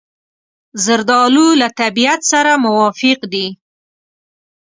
زردالو له طبیعت سره موافق دی.